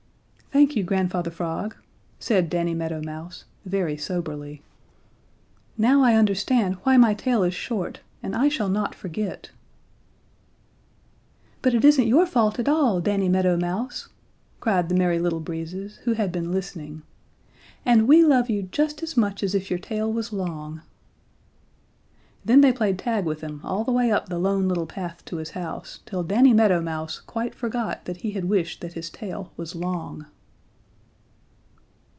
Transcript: "Thank you, Grandfather Frog," said Danny Meadow Mouse, very soberly. "Now I understand why my tail is short and I shall not forget." "But it isn't your fault at all, Danny Meadow Mouse," cried the Merry Little Breezes, who had been listening, "and we love you just as much as if your tail was long!" Then they played tag with him all the way up the Lone Little Path to his house, till Danny Meadow Mouse quite forgot that he had wished that his tail was long.